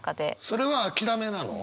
それは諦めなの？